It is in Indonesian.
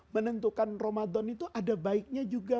menentukan ramadan itu ada baiknya juga